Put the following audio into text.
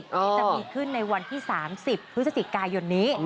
จะมีขึ้นในวันที่๓๐พฤศจิกายนนี้